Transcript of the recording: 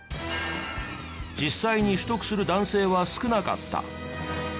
実際に取得する男性は少なかった。